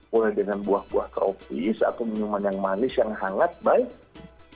mulai dengan buah buah tropis atau minuman yang manis yang hangat baik